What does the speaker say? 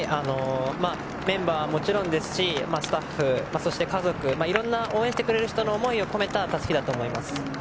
メンバーはもちろんですしスタッフ、家族応援してくれる人の思いを込めたたすきだと思います。